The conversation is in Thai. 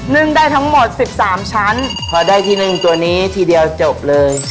ึ่งได้ทั้งหมดสิบสามชั้นพอได้ทีหนึ่งตัวนี้ทีเดียวจบเลย